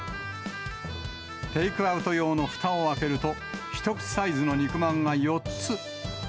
テイクアウト用のふたを開けると、一口サイズの肉まんが４つ。